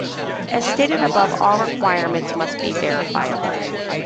As stated above all requirements must be verifiable.